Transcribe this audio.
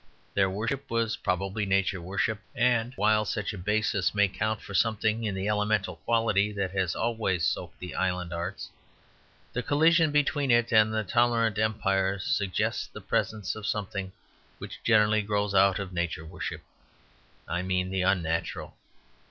Their worship was probably Nature worship; and while such a basis may count for something in the elemental quality that has always soaked the island arts, the collision between it and the tolerant Empire suggests the presence of something which generally grows out of Nature worship I mean the unnatural.